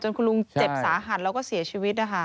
คุณลุงเจ็บสาหัสแล้วก็เสียชีวิตนะคะ